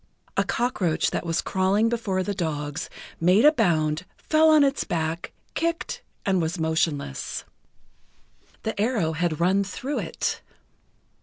A cockroach that was crawling before the dogs, made a bound, fell on its back, kicked, and was motionless. The arrow had run through it.